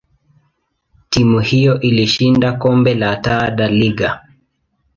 timu hiyo ilishinda kombe la Taa da Liga.